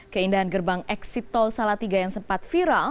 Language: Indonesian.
keindahan gerbang eksit tol salatiga yang sempat viral